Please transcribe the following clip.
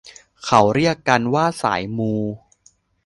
เขาเรียกกันว่าสายมู